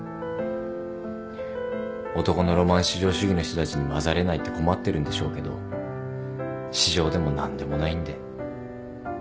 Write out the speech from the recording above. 男のロマン至上主義の人たちに交ざれないって困ってるんでしょうけど至上でも何でもないんで。